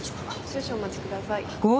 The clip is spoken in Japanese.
少々お待ちください。